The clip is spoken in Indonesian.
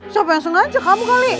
siapa yang sengaja kamu kali